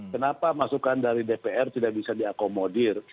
kenapa masukan dari dpr tidak bisa diakomodir